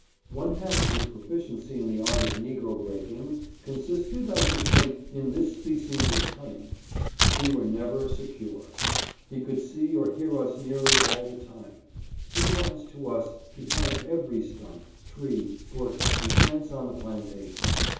One half of his proficiency in the art of negro breaking consisted, I should think, in this species of cunning. W&_ were never secure. He could see or hear us nearly all the time. He was, to us, behind every stump, tree, bush, and fence on the plantation.